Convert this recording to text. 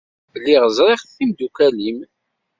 Lliɣ ẓriɣ d timdukal-im.